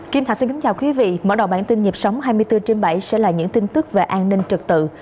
kính thưa quý vị mở đầu bản tin nhịp sống hai mươi bốn trên bảy sẽ là những tin tức về an ninh trật tự